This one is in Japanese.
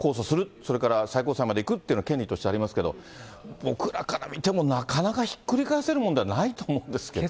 それから最高裁まで行くっていうのは権利としてありますけど、僕らから見ても、なかなかひっくり返せるものではないと思うんですけれども。